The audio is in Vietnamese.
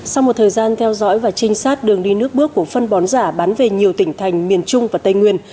sau một thời gian theo dõi và trinh sát đường đi nước bước của phân bón giả bán về nhiều tỉnh thành miền trung và tây nguyên